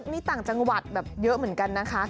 มีต่างจังหวัดแบบเยอะเหมือนกันนะคะ